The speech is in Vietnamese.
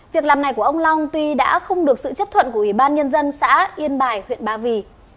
việc làm này của ông long tuy đã không được sự chấp thuận của ủy ban nhân dân xã yên bài huyện ba vì